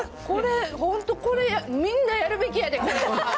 これ、本当これ、みんなやるべきやで。